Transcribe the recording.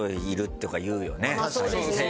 まあそうですね。